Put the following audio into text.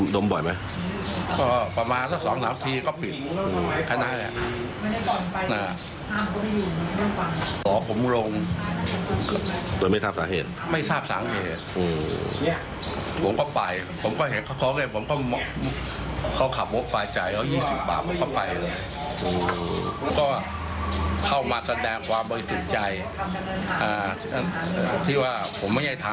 โดยไม่ทราบสามเหตุ